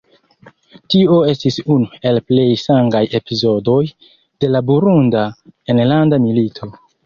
Tio estis unu el plej sangaj epizodoj de la Burunda enlanda milito.